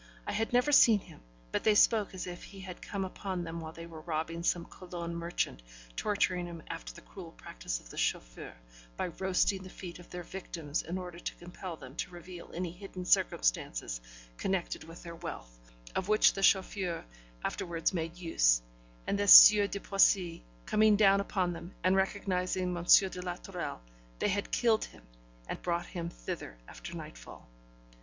I had never seen him, but they spoke as if he had come upon them while they were robbing some Cologne merchant, torturing him after the cruel practice of the chauffeurs, by roasting the feet of their victims in order to compel them to reveal any hidden circumstances connected with their wealth, of which the chauffeurs afterwards made use; and this Sieur de Poissy coming down upon them, and recognising M. de la Tourelle, they had killed him, and brought him thither after nightfall.